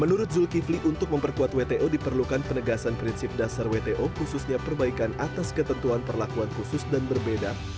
menurut zulkifli untuk memperkuat wto diperlukan penegasan prinsip dasar wto khususnya perbaikan atas ketentuan perlakuan khusus dan berbeda